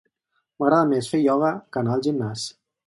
M'agrada més fer ioga que anar al gimnàs